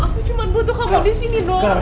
kamu jangan pergi raja di sini aja kamu